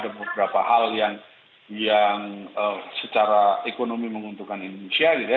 ada beberapa hal yang secara ekonomi menguntungkan indonesia gitu ya